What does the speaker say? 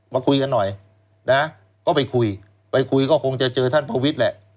มาคุยกันหน่อยนะก็ไปคุยไปคุยก็คงจะเจอท่านประวิทย์แหละ